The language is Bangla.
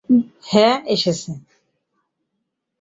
হ্যাঁ, এসেছে।